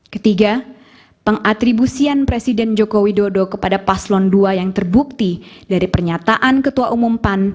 ketiga pengatribusian presiden joko widodo kepada paslon dua yang terbukti dari pernyataan ketua umum pan